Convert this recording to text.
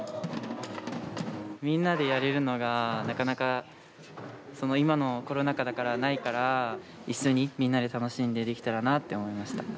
みんなでやれるのがなかなか今のコロナ禍だからないから一緒にみんなで楽しんでできたらなって思いました。